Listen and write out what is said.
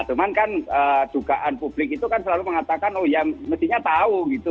cuman kan dugaan publik itu kan selalu mengatakan oh ya mestinya tahu gitu